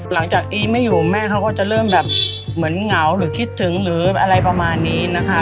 อีไม่อยู่แม่เขาก็จะเริ่มแบบเหมือนเหงาหรือคิดถึงหรืออะไรประมาณนี้นะคะ